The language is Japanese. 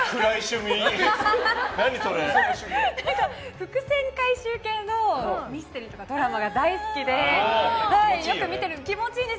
伏線回収系のミステリーとかドラマが大好きでよく見てるんです。